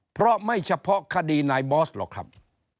เพราะไม่เฉพาะคดีนายบอสหรอกครับ